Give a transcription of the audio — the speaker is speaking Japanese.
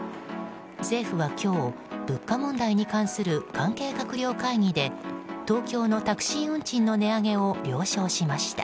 政府は今日物価問題に関する関係閣僚会議で東京のタクシー運賃の値上げを了承しました。